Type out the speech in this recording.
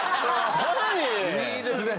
いいですね